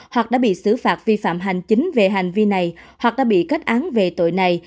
hoặc đã bị xử phạt vi phạm hành chính về hành vi này hoặc đã bị kết án về tội này